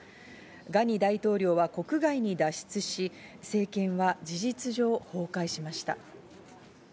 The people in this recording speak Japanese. ガニ大統領は国外に脱出し、政権は事実上崩壊しました。